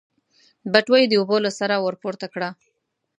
بټوه يې د اوبو له سره ورپورته کړه.